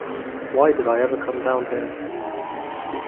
Why did I ever come down here?